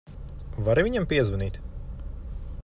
Vari viņam piezvanīt?